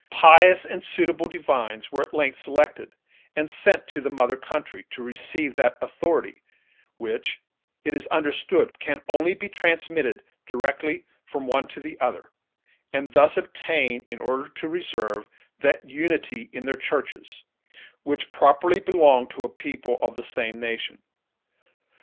Pious and suitable divines were at length selected, and sent to the mother country, to receive that authority which, it is understood, can only be transmitted directly from one to the other, and thus obtain, in order to reserve, that unity in their churches which properly belonged to a people of the same nation.